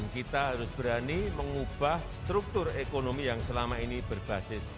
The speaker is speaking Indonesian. bumn pembangunan pabrik lg